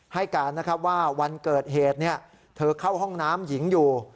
ให้การนะครับว่าวันเกิดเหตุเธอเข้าห้องน้ำหญิงอยู่